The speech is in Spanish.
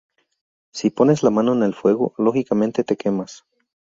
Si pones la mano en el fuego, 'lógicamente' te quemas.